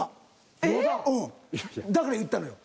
えっ？だから言ったのよ。